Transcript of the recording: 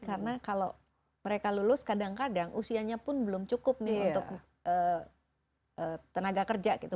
karena kalau mereka lulus kadang kadang usianya pun belum cukup nih untuk tenaga kerja gitu